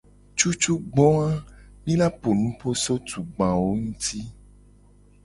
Cucugba mi la po nupo so tugbawo nguti.